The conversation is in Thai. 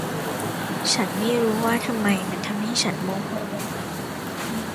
ฉันไม่รู้ว่าทำไมมันทำให้ฉันโมโห